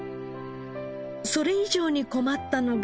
それ以上に困ったのが。